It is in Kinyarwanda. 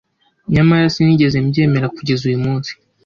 nyamara sinigeze mbyemera kugeza uyumunsi